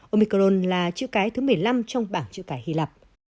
omicron là chữ cái thứ một mươi năm trong bảng chữ cái hy lập